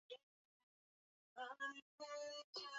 Samia Suluhu Hassan alianza kutabiriwa kushika nafasi ya juu zaidi